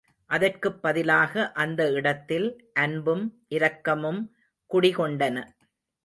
அதற்குப் பதிலாக அந்த இடத்தில் அன்பும் இரக்கமும் குடிகொண்டன.